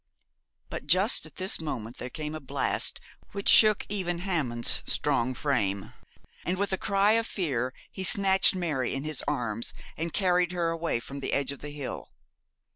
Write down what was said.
But just at this moment there came a blast which shook even Hammond's strong frame, and with a cry of fear he snatched Mary in his arms and carried her away from the edge of the hill.